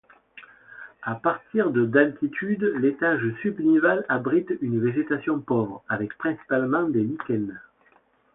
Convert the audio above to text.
À partir de d'altitude, l'étage subnival abrite une végétation pauvre, avec principalement des lichens.